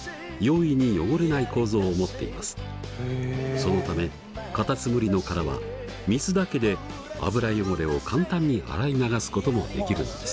そのためカタツムリの殻は水だけで油汚れを簡単に洗い流すこともできるのです。